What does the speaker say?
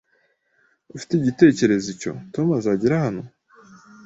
Ufite igitekerezo icyo Tom azagera hano?